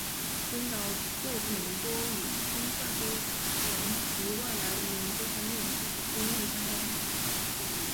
编导作品多与中下阶层及外来移民之生命经历相关。